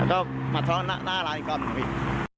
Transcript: ก็มาทะเลาะหน้าร้านอีกรอบหนึ่งพี่